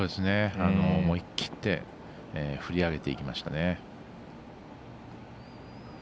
思い切って振り上げていきましたね。